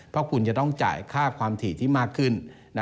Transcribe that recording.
เพราะคุณจะต้องจ่ายค่าความถี่ที่มากขึ้น